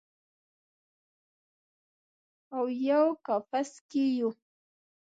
اویو کپس کې یو